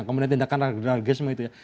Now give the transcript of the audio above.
kemudian tindakan agregat semua itu ya